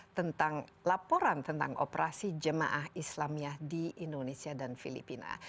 tentang laporan tentang operasi jemaah islamiyah di indonesia dan filipina